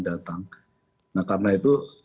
datang nah karena itu